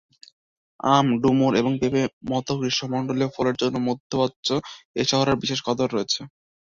আম, ডুমুর, এবং পেঁপে মত গ্রীষ্মমন্ডলীয় ফলের জন্য মধ্যপ্রাচ্যে এ শহরের বিশেষ কদর রয়েছে।